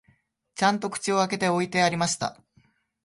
ちゃんと口を開けて置いてありました